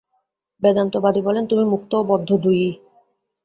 বেদান্তবাদী বলেন, তুমি মুক্ত ও বদ্ধ দুই-ই।